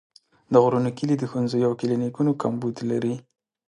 د غرونو کلي د ښوونځیو او کلینیکونو کمبود لري.